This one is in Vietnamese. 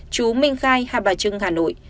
chú minh khai hà bà trưng hà nội